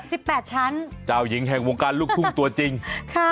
เช่นนี้๔๘ชั้นเจ้าหญิงแห่งวงการลูกทุ่มตัวจริงค่ะ